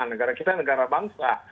negara kita negara bangsa